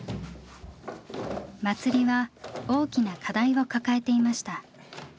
祭りは大きな課題を抱えていました。